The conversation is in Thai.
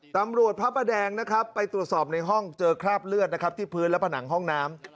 ตำรวจพระอาจารย์ไปตรวจสอบในห้องเจอคราบเลือดที่พื้นและผนังห้องน้ำ